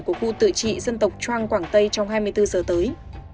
của khu tự trị dân tộc trang quảng tây trong hai mươi bốn giờ tới